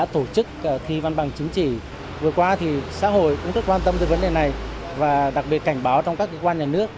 thì văn bằng chứng chỉ vừa qua thì xã hội cũng rất quan tâm về vấn đề này và đặc biệt cảnh báo trong các cơ quan nhà nước